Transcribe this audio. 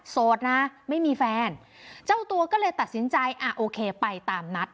โสดนะไม่มีแฟนเจ้าตัวก็เลยตัดสินใจอ่ะโอเคไปตามนัด